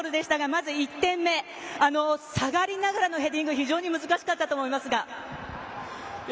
まず１点目、下がりながらのヘディング難しかったと思いますが。